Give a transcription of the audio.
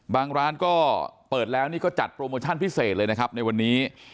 ร้านก็เปิดแล้วนี่ก็จัดโปรโมชั่นพิเศษเลยนะครับในวันนี้